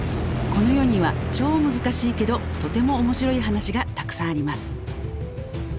この世には超むずかしいけどとても面白い話がたくさんあります。